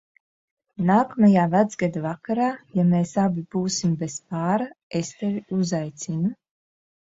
Nākamajā Vecgada vakarā, ja mēs abi būsim bez pāra, es tevi uzaicinu.